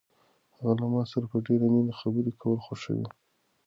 هغه له ما سره په ډېرې مینه خبرې کول خوښوي.